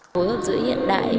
cố gắng giữ hiện đại